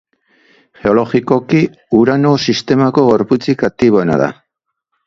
Geologikoki Urano sistemako gorputzik aktiboena da.